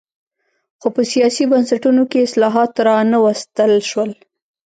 خو په سیاسي بنسټونو کې اصلاحات را نه وستل شول.